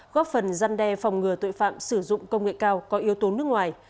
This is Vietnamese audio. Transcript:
góp phần gian đe phòng ngừa tội phạm sử dụng công nghệ cao có yếu tố nước ngoài